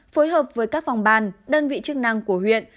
phối hợp với các phòng ban đơn vị chức năng của huyện